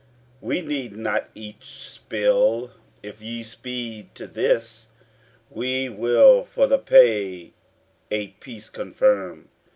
We need not each spill, if ye speed to this: We will for the pay a peace confirm.